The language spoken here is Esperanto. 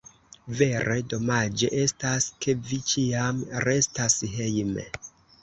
Vere, domaĝe estas, ke vi ĉiam restas hejme.